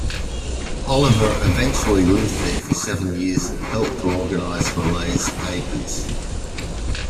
Oliver eventually lived there for seven years and helped to organize Millay's papers.